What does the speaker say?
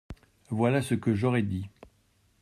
Voilà ce que j’aurais dit.